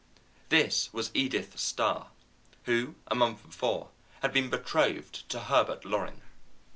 This was Edith Starr, who, a month before, had been betrothed to Herbert Loring.